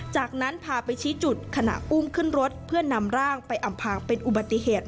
จากนั้นพาไปชี้จุดขณะอุ้มขึ้นรถเพื่อนำร่างไปอำพางเป็นอุบัติเหตุ